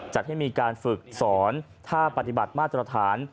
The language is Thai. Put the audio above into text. จัดให้มีการฝึกสอนถ้าปฏิบัติมาตรฐาน